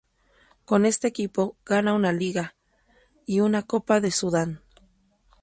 Con este equipo gana una Liga y una Copa de Sudán.